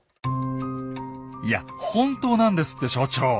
いや本当なんですって所長。